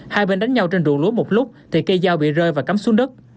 hai bên đánh nhau trên rụng lúa một lúc thì cây dao bị rơi và cắm xuống đất